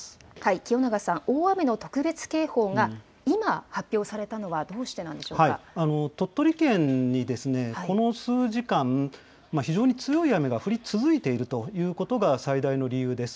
清永さん、大雨の特別警報が今、発表されたのは、どうしてな鳥取県にですね、この数時間、非常に強い雨が降り続いているということが、最大の理由です。